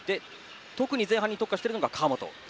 特に前半に特化しているのは川本。